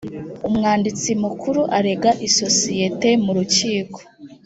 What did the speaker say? umwanditsi mukuru arega isosiyete mu rukiko